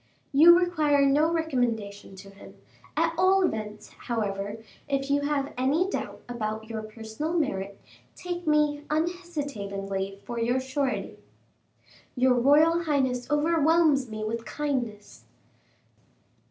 "You require no recommendation to him. At all events, however, if you have any doubt about your personal merit, take me unhesitatingly for your surety." "Your royal highness overwhelms me with kindness."